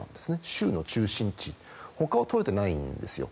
州の中心地他は取れてないんですよ。